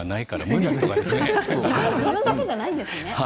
自分だけじゃないんですね。